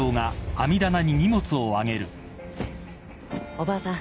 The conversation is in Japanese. おばあさん